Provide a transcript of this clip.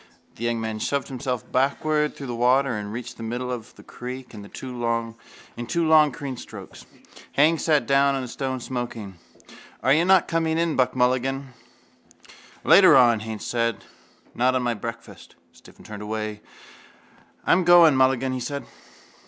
The young man shoved himself backward through the water and reached the middle of the creek in two long clean strokes. Haines sat down on a stone, smoking. —Are you not coming in? Buck Mulligan asked. —Later on, Haines said. Not on my breakfast. Stephen turned away. —I'm going, Mulligan, he said.